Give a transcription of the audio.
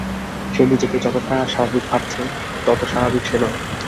সে নিজেকে যতটা স্বাভাবিক ভাবছে তত স্বাভাবিক সে নয়।